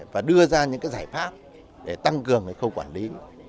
và đưa ra những cái giải pháp để tăng cường cái khâu quản lý